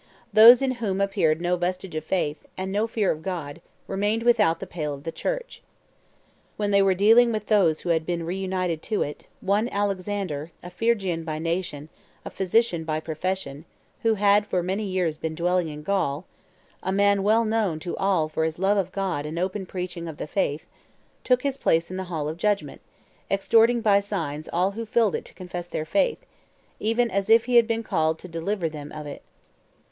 Those in whom appeared no vestige of faith, and no fear of God, remained without the pale of the Church. When they were dealing with those who had been reunited to it, one Alexander, a Phrygian by nation, a physician by profession, who had for many years been dwelling in Gaul, a man well known to all for his love of God and open preaching of the faith, took his place in the hall of judgment, exhorting by signs all who filled it to confess their faith, even as if he had been called in to deliver them of it.